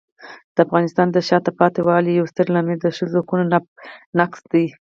د افغانستان د شاته پاتې والي یو ستر عامل ښځو حقونو نقض دی.